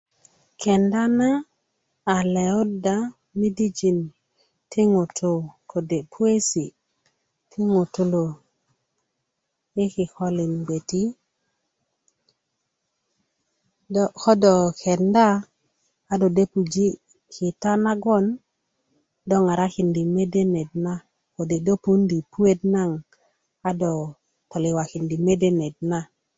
kenda na a lewudda midijin ti ŋutulu kode' puwesi' ti ŋutulu i kikolin gbeti do ko do kenda a do de puji kita nagon do ŋarakindi mede net na kode' do puundi puwet naŋ do toliwakindi mede net na